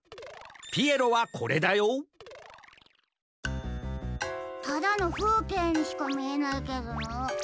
ピエロはこれだよただのふうけいにしかみえないけど。